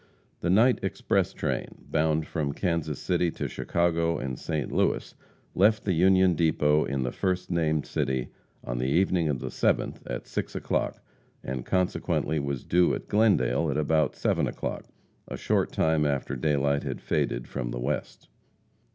The night express train, bound from Kansas City to Chicago and St. Louis, left the Union Depot in the first named city on the evening of the 7th, at six o'clock, and consequently was due at Glendale at about seven o'clock a short time after daylight had faded from the west.